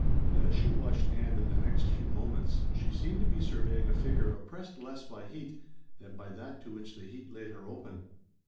But as she watched Ann in the next few moments she seemed to be surveying a figure oppressed less by heat than by that to which the heat laid her open.